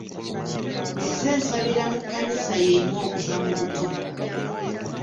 Nzize nsabira mu kkanisa y'emu okuva mu buto.